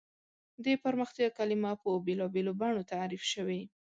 د پرمختیا کلیمه په بېلابېلو بڼو تعریف شوې.